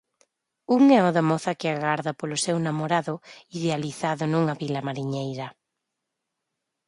Un é o da moza que agarda polo seu namorado idealizado nunha vila mariñeira.